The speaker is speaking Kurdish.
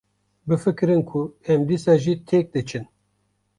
Bifikirin ku em dîsa jî têk diçin.